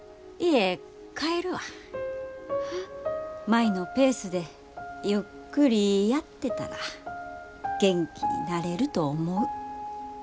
舞のペースでゆっくりやってたら元気になれると思う。